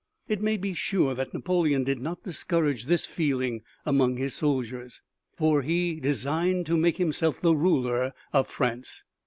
It may be sure that Napoleon did not discourage this feeling among his soldiers, for he designed to make himself the ruler of France.